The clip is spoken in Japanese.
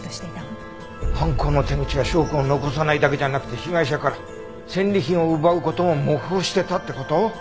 犯行の手口や証拠を残さないだけじゃなくて被害者から戦利品を奪う事も模倣してたって事？